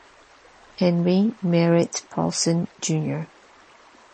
Henry Merritt Paulson Jr.